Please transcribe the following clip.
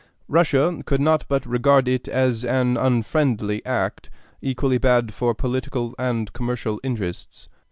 Russia could not but regard it as an unfriendly act, equally bad for political and commercial interests.